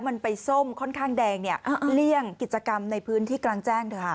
มันไปส้มค่อนข้างแดงเนี่ยเลี่ยงกิจกรรมในพื้นที่กลางแจ้งเถอะค่ะ